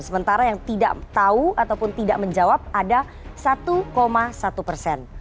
sementara yang tidak tahu ataupun tidak menjawab ada satu satu persen